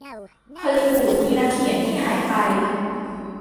ฮอลลีวูดมีนักเขียนที่หายไป